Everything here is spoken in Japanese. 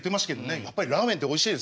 やっぱりラーメンっておいしいですよね。